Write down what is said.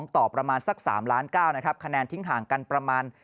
ต่อประมาณสัก๓ล้าน๙นะครับคะแนนทิ้งห่างกันประมาณ